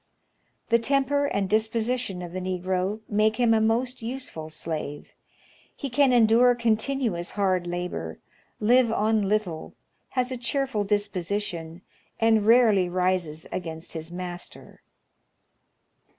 The temper and disposition of the Negro make him a most useful slave. He can endure con tinuous hard labor, live on little, has a cheerful disposition, and rarely rises against his master.